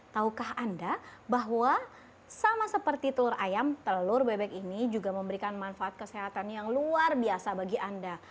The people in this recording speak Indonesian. taukah anda bahwa sama seperti telur ayam telur bebek ini juga memberikan manfaat kesehatan yang luar biasa bagi anda